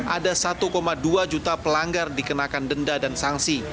ada satu dua juta pelanggar dikenakan denda dan sanksi